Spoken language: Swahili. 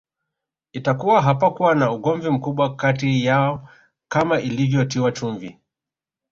Itakuwa hapakuwa na ugomvi mkubwa kati yao kama ilivyotiwa chumvi